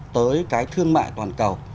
tới cái thương mại toàn cầu